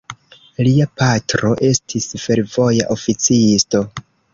Lia patro estis fervoja oficisto.